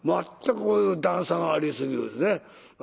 全く段差がありすぎるんですね。